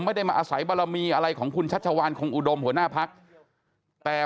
ไม่ได้มาอาศัยบารมีอะไรของคุณชัชวานคงอุดมหัวหน้าพักแต่